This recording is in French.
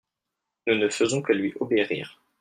nous ne faisons que lui obérir.